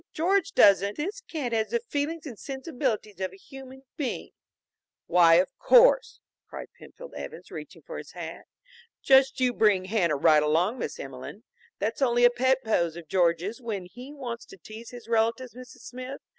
George doesn't " "This cat has the feelings and sensibilities of a human being." "Why of course," cried Penfield Evans, reaching for his hat. "Just you bring Hanna right along, Miss Emelene. That's only a pet pose of George's when he wants to tease his relatives, Mrs. Smith.